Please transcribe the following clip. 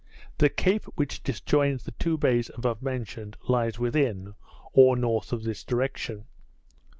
The cape which disjoins the two bays above mentioned lies within, or north of this direction.